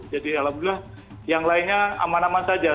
jadi alhamdulillah yang lainnya aman aman saja